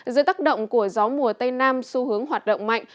dưới tác động của gió mùa tây nam xu hướng hoạt động mạnh